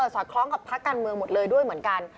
สอดคล้องกับพักการเมืองหมดเลยด้วยเหมือนกัน